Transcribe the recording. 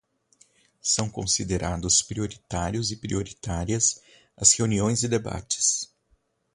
São considerados prioritários e prioritárias as reuniões e debates